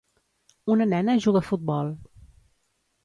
Una nena juga a futbol.